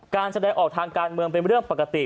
แสดงออกทางการเมืองเป็นเรื่องปกติ